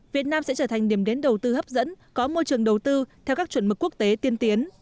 việt nam sẽ trở thành điểm đến đầu tư hấp dẫn có môi trường đầu tư theo các chuẩn mực quốc tế tiên tiến